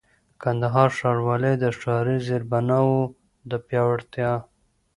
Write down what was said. کندهار ښاروالۍ د ښاري زېربناوو د پياوړتيا